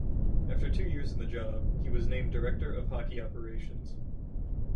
After two years in the job, he was named Director of Hockey Operations.